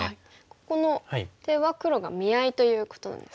ここの手は黒が見合いということなんですかね。